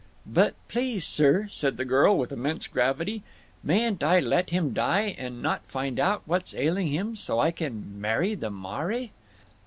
"But please, sir," said the girl, with immense gravity, "mayn't I let him die, and not find out what's ailing him, so I can marry the _maire?